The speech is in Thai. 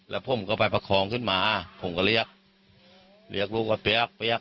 แล้วผมก็ไปประคองขึ้นมาผมก็เรียกเรียกลูกว่าเปี๊ยกเปี๊ยก